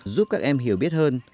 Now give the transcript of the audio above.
giúp các em hiểu biết hơn